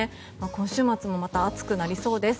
今週末もまた暑くなりそうです。